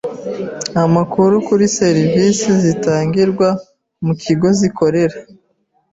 amakuru kuri serivisi zitangirwa mu kigo zikorera.